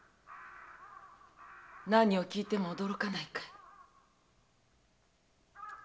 何を聞いても驚かないかい？